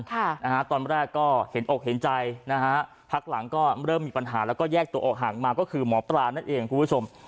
ค่ะนะฮะตอนแรกก็เห็นอกเห็นใจนะฮะพักหลังก็เริ่มมีปัญหาแล้วก็แยกตัวออกห่างมาก็คือหมอปลานั่นเองคุณผู้ชม